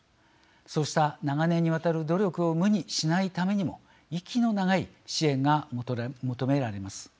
そうした長年にわたる努力を無にしないためにも息の長い支援が求められます。